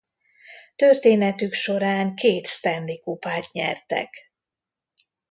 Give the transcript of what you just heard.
Történetük során két Stanley-kupát nyertek.